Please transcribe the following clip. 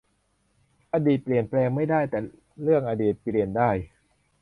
อดีตเปลี่ยนแปลงไม่ได้ แต่ 'เรื่องอดีต' เปลี่ยนได้